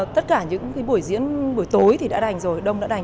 tất cả những buổi diễn buổi tối thì đã đành rồi đông đã đành